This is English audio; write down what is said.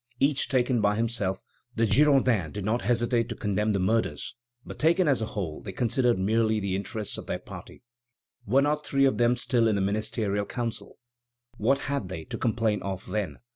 Each taken by himself, the Girondins did not hesitate to condemn the murders; but taken as a whole, they considered merely the interests of their party. Were not three of them still in the Ministerial Council? What had they to complain of, then?